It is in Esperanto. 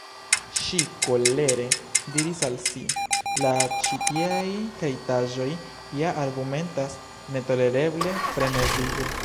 Ŝi kolere diris al si:— "La ĉitieaj kreitaĵoj ja argumentas netolereble, frenezige."